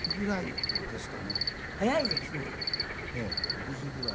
６時ぐらい。